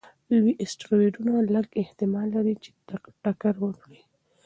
لوی اسټروېډونه لږ احتمال لري چې ټکر وکړي.